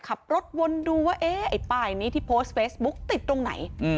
ขับรถวนดูว่าป้ายนี้ที่โพสต์เฟสบุ๊คติดตรงไหน